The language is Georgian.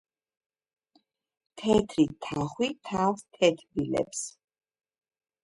თეთრი თახვი თავს თეთბილებს